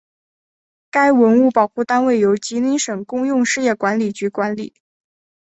该文物保护单位由吉林市公用事业管理局管理。